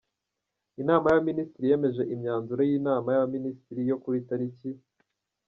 Inama y‟Abaminisitiri yemeje Imyanzuro y‟Inama y‟Abaminisitiri yo ku itariki ya